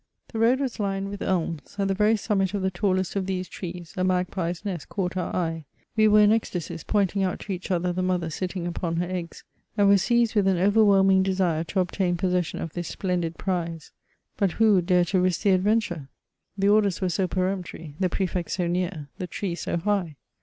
The road was lined with elms ; at the very summit of the tallest of these trees, a magpie's nest caught our eye ; we were in ecstacies, pomting out to eadi other the mother sitting ivpGa her eggs, and were seised with an oyerwhelming desire to obtain possession of this splendid prise. But who would dare to risk the adventure ? The orders were so peremptory, the Prefect so near, the tree so high